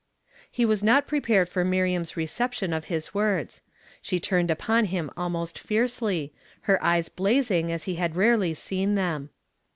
He was not prepurcd for Miriam's reception of his words. She turned \\\n)\\ liim almost fiercely, her eyes blazing as he had rarely seen them.